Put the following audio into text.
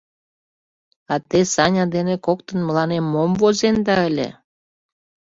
— А те Саня дене коктын мыланем мом возенда ыле?